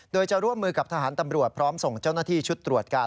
โดยจะร่วมมือกับทหารตำรวจพร้อมส่งเจ้าหน้าที่ชุดตรวจการ